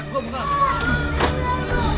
sekarang kita akan menyerang mereka